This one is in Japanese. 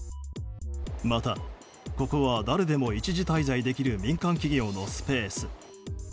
また、ここは誰でも一時滞在できる民間企業のスペース。